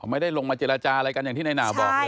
ไม่ได้ลงมาเจรจาอะไรกันอย่างที่ในหนาวบอกเลย